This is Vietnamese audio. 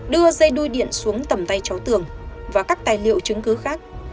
đưa dây đuôi điện xuống tầm tay cháu tường và các tài liệu chứng cứ khác